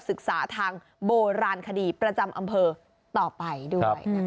ศึกษาทางโบราณคดีประจำอำเภอต่อไปด้วยนะคะ